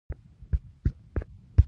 وخت سره زر دی، ګټه ترې واخلئ!